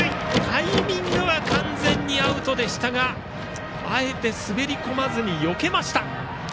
タイミングは完全にアウトでしたがあえて滑り込まずに、よけました。